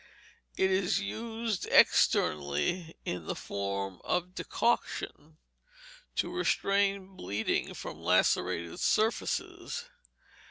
It is used externally in the form of decoction, to restrain bleeding from lacerated surfaces.